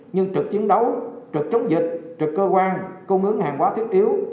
như trực chiến đấu trực chống dịch trực cơ quan cung ứng hàng hóa thiết yếu